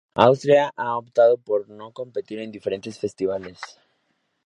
Austria ha optado por no competir en diferentes festivales.